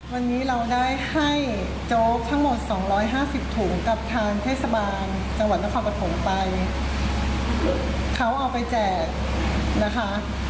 วันนี้เราได้ให้โจ๊กทั้งหมดสองร้อยห้าสิบถุงกับทางเทศบาลจังหวัดนครปฐมไปเขาเอาไปแจกนะคะ